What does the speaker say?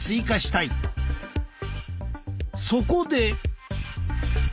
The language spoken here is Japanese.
そこで！